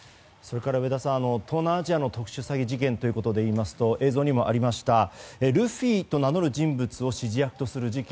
東南アジアの特殊詐欺事件ということで言うと映像にもありましたルフィと名乗る人物を指示役とする事件